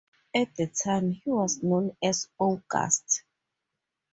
At the time, he was known as "Owgust".